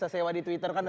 karena ada empat belas ribu